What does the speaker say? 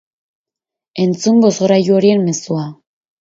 Entzun bozgorailu horien mezua.